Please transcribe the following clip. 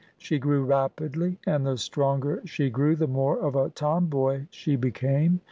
She grew rapidly, and the stronger she grew the more of a Tom boy she became.